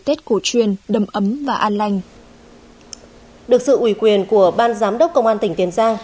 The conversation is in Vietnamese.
tết cổ truyền đâm ấm và an lành được sự ủy quyền của ban giám đốc công an tỉnh tiền giang